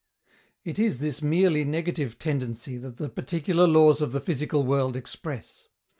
It is this merely negative tendency that the particular laws of the physical world express.